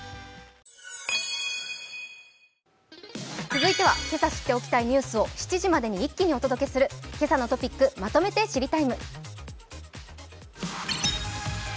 続いては今朝知っておきたいニュースを７時までに一気にお届けする「けさのトピックまとめて知りＴＩＭＥ，」。